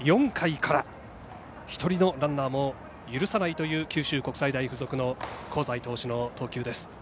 ４回から１人のランナーも許さないという九州国際大付属の香西投手の投球です。